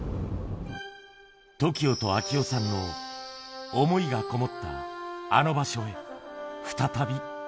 ＴＯＫＩＯと明雄さんの想いが込もったあの場所へ再び。